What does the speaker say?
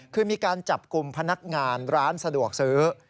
คือมีการจับกลุ่มพนักงานร้านสะดวกซื้อ